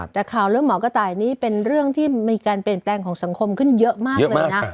แต่ข่าวเรื่องหมอกระต่ายนี้เป็นเรื่องที่มีการเปลี่ยนแปลงของสังคมขึ้นเยอะมากเลยนะ